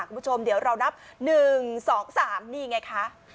คุณผู้ชมเดี๋ยวเรานับหนึ่งสองสามนี่ไงคะ